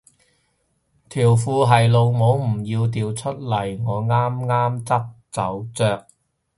條褲係老母唔要掉出嚟我啱啱執走着